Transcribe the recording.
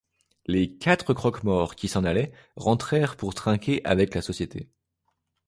Les quatre croque-morts, qui s'en allaient, rentrèrent pour trinquer avec la société.